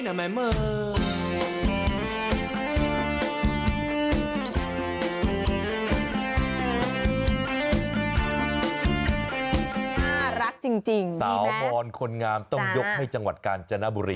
น่ารักจริงสาวบอนคนงามต้องยกให้จังหวัดกาญจนบุรี